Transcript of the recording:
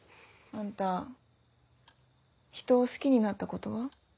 あんたひとを好きになったことは？